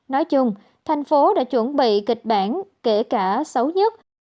nói chung thành phố đã chuẩn bị kịch bản kể cả xấu nhất